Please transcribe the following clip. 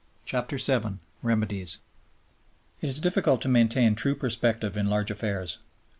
CHAPTER VII REMEDIES It is difficult to maintain true perspective in large affairs.